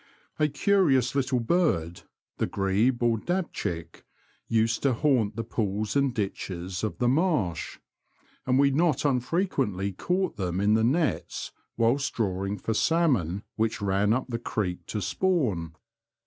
A curious little bird, the grebe or dabchick, used to haunt the pools and ditches of the marsh, and we not unfrequently caught them in the nets whilst drawing for salmon which ran up the creek to spawn.